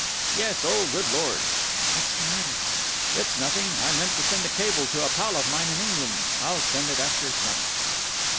"Yes. Oh, good Lord!" "What's the matter?" "It's nothing. I meant to send a cable to a pal of mine in England, I'll send it after lunch."